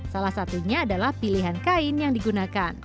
salah satunya adalah pilihan kain yang digunakan